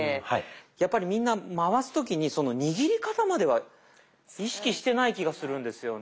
やっぱりみんな回す時に握り方までは意識してない気がするんですよね。